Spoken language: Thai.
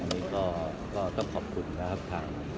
อันนี้ก็ต้องขอบคุณนะครับทาง